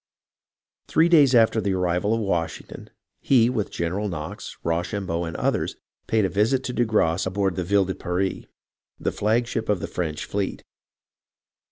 Three days after the arrival of Washington, he, with General Knox, Rochambeau, and others, paid a visit to de Grasse on board the Ville de Paris, the flagship of the French fleet.